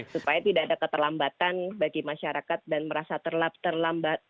supaya tidak ada keterlambatan bagi masyarakat dan merasa terlambat